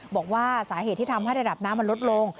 บอกว่าสาเหตุที่ทำให้ระดับน้ำมันลดลง